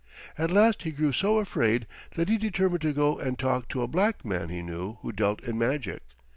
At last he grew so afraid that he determined to go and talk to a black man he knew who dealt in magic.